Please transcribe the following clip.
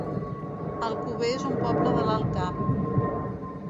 Alcover es un poble de l'Alt Camp